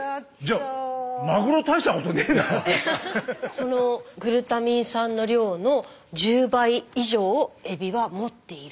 そのグルタミン酸の量の１０倍以上エビは持っている。